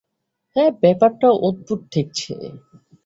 হ্যাঁ, ব্যাপারটা অদ্ভূত ঠেকছে।